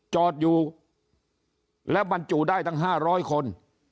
จอดอยู่แล้วบรรจุได้ตั้ง๕๐๐คน